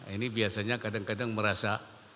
ini biasanya kadang kadang merasa